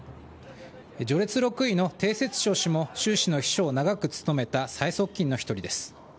序列６位の丁薛祥氏も習氏の秘書を長く務めた最側近の１人です。